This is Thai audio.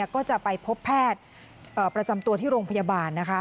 ก็จะไปพบแพทย์ประจำตัวที่โรงพยาบาลนะคะ